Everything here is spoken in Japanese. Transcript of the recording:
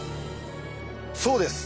そうです！